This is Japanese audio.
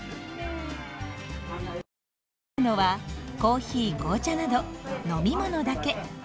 提供するのはコーヒー紅茶など飲み物だけ。